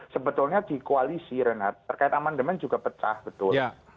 sebetulnya di koalisi renat terkait amandemen juga pecah betul